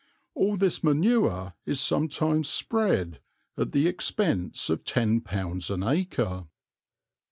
All this manure is sometimes spread at the expense of £10 an acre."